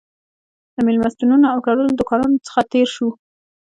له مېلمستونونو او تړلو دوکانونو څخه تېر شوو.